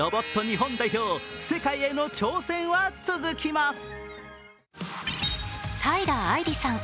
日本代表、世界への挑戦は続きます。